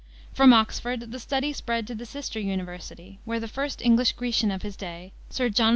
From Oxford the study spread to the sister university, where the first English Grecian of his day, Sir Jno.